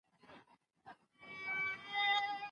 که په خوړو کې د غوښې کیفیت خراب وي.